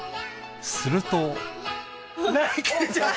すると。